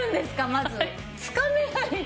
まず。つかめない。